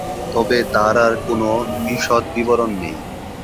তবে তার আর কোনও বিশদ বিবরণ নেই।